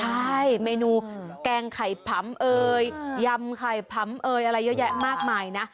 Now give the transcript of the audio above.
ใช่เมนูแกงไข่ผำเอยยำไข่ผำเอยอะไรเยอะแยะมากมายนะ